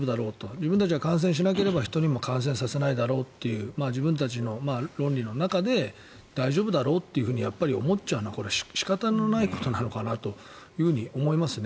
自分たちが感染しなければ人にも感染させないだろうという自分たちの論理の中で大丈夫だろうとやっぱり思っちゃうのは仕方のないことなのかなと思いますね。